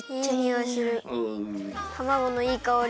たまごのいいかおり！